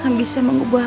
ke begitan selesai